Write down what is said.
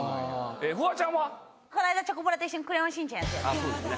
この間チョコプラと一緒に『クレヨンしんちゃん』やったよね。